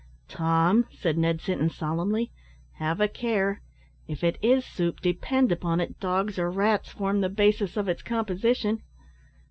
"Tom," said Ned Sinton, solemnly, "have a care; if it is soup, depend upon it, dogs or rats form the basis of its composition."